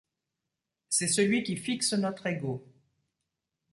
C’est celui qui fixe notre ego.